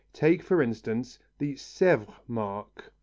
Take, for instance, the Sèvres mark.